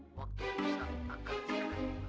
waktu yang besar akan jika